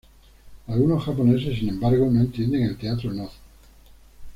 Algunos japoneses, sin embargo, no entienden el teatro Noh.